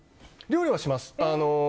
料理はします。